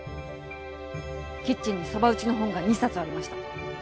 キッチンにそば打ちの本が２冊ありました。